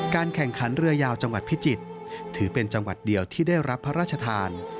แข่งขันเรือยาวจังหวัดพิจิตรถือเป็นจังหวัดเดียวที่ได้รับพระราชทาน